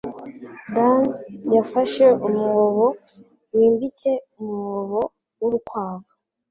Dan yafashe umwobo wimbitse umwobo w'urukwavu.